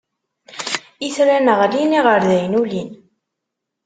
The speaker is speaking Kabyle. Itran ɣlin, iɣerdayen ulin.